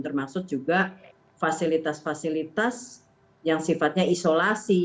termasuk juga fasilitas fasilitas yang sifatnya isolasi